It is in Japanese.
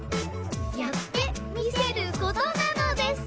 「やってみせる事なのです」